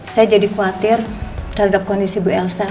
saya jadi khawatir terhadap kondisi bu elsa